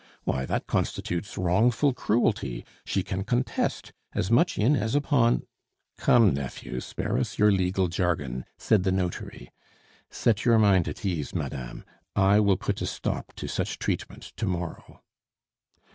Why, that constitutes wrongful cruelty; she can contest, as much in as upon " "Come, nephew, spare us your legal jargon," said the notary. "Set your mind at ease, madame; I will put a stop to such treatment to morrow."